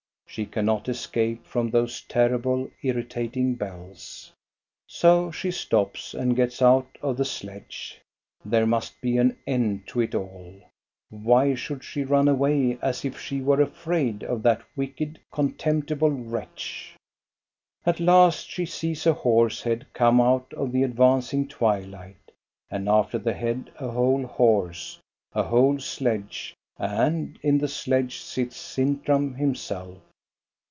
She cannot escape from those terrible, irritat ing bells. So she stops and gets out of the sledge. There must be an end to it all. Why should she run away as if she were afraid of that wicked, contemptible wretch } At last she sees a horse's head come out of the advancing twilight, and after the head a whole horse, a whole sledge, and in the sledge sits Sintram himself.